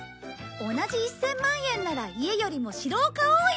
同じ１０００万円なら家よりも城を買おうよ！